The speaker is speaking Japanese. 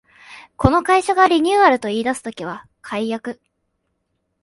この会社がリニューアルと言いだす時は改悪